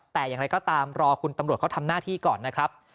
แต่อย่างไรก็ตามรอคุณตำรวจเขาทำหน้าที่ก่อนนะครับ